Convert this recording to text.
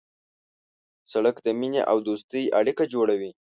سړک د مینې او دوستۍ اړیکه جوړوي.